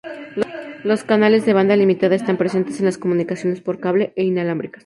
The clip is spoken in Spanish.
Los canales de banda limitada están presentes en las comunicaciones por cable e inalámbricas.